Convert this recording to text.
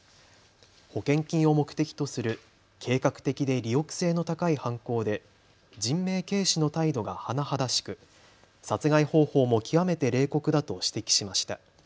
保険金を目的とする計画的で利欲性の高い犯行で人命軽視の態度が甚だしく殺害方法も極めて冷酷だと指摘しました。